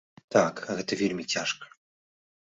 Так, гэта вельмі цяжка.